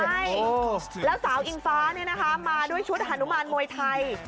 ใช่แล้วสาวอิงฟ้าเนี่ยนะคะมาด้วยชุดฮานุมานมวยไทย